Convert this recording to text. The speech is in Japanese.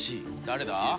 誰だ？